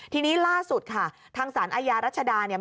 ทีนี้ล่าสุดค่ะทางสารอาญารัชดาเนี่ย